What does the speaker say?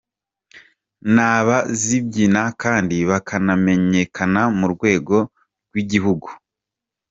naba zibyina kandi bakanamenyekana mu rwego rwigihugu.